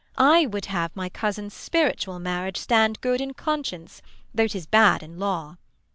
I would have my cousin's spiritual marriage Stand good in conscience, though 'tis bad in law.